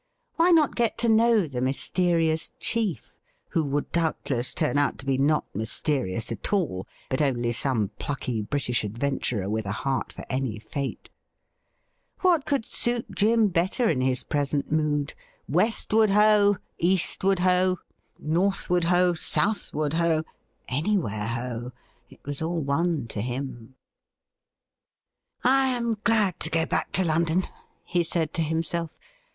'' Why not get to know the mysterious chief, who would doubtless turn out to be not mysterious at all, but only some plucky British adventurer with a heart for any fate ? What could suit Jim better in his present mood ? Westward ho !— ^Eastward ho !— Northward ho !— Southward ho !— anywhere ho !— it was all one to him. ' I am glad to go back to London,' he said to himself.